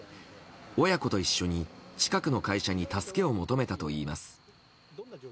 親子と一緒に近くの会社に助けを求めたといいます。